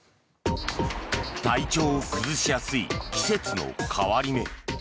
体調を崩しやすい季節の変わり目。